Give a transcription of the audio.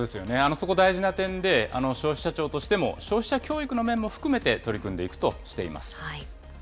そこ、大事な点で、消費者庁としても、消費者教育の面も含めて取り組んでいくとしています。